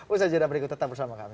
usaha jadwal berikut tetap bersama kami